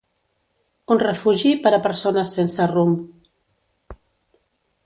Un refugi per a persones sense rumb.